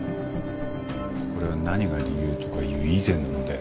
これは何が理由とかいう以前の問題だ。